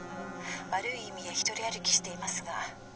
「悪い意味でひとり歩きしていますが」